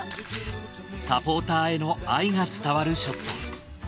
サポーターへの愛が伝わるショット。